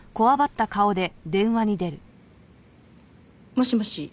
もしもし？